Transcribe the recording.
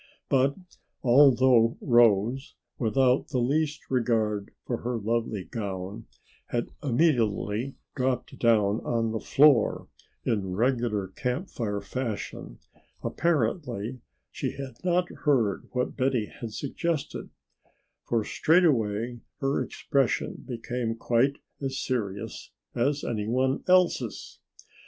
But although Rose, without the least regard for her lovely gown, had immediately dropped down on the floor in regular Camp Fire fashion, apparently she had not heard what Betty had suggested, for straightway her expression became quite as serious as any one else's.